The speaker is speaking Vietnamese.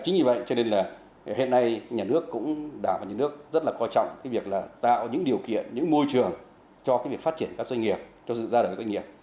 chính vì vậy cho nên là hiện nay nhà nước cũng đảng và nhà nước rất là quan trọng việc tạo những điều kiện những môi trường cho việc phát triển các doanh nghiệp cho sự gia đình các doanh nghiệp